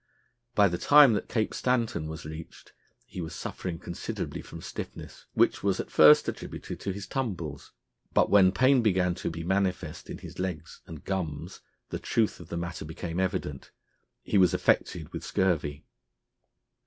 By the time that Cape Stanton was reached he was suffering considerably from stiffness, which was at first attributed to his tumbles; but when pain began to be manifest in his legs and gums, the truth of the matter became evident. He was affected with scurvy.